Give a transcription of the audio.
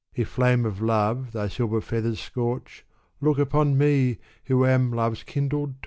" If flame of Love thy silver feathers scorch, Look upon me, who am Love's kindled Torch